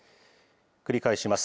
繰り返します。